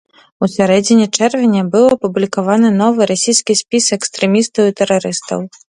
У сярэдзіне чэрвеня быў апублікаваны новы расійскі спіс экстрэмістаў і тэрарыстаў.